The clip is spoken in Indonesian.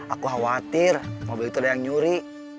aku khawatir mobil itu ada yang nyuri